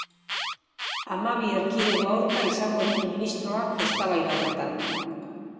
Hamabi erkidego aurka izango ditu ministroak eztabaida horretan.